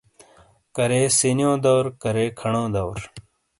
کرے سَینیو دور کرے کھَنو دور۔